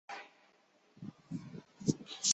艾居埃丰德人口变化图示